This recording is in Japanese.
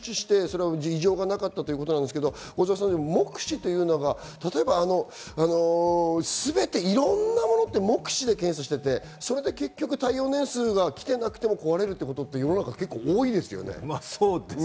異常がなかったということですけど、目視というのが例えば全て、いろんな物って目視で検査してて結局、耐用年数がきてなくても壊れるってことって世の中多いです